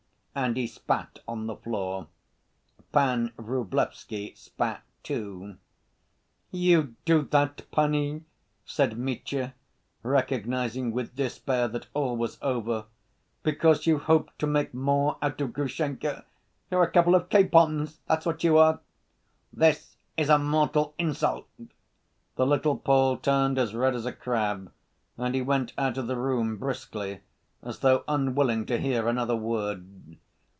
and he spat on the floor. Pan Vrublevsky spat too. "You do that, panie," said Mitya, recognizing with despair that all was over, "because you hope to make more out of Grushenka? You're a couple of capons, that's what you are!" "This is a mortal insult!" The little Pole turned as red as a crab, and he went out of the room, briskly, as though unwilling to hear another word.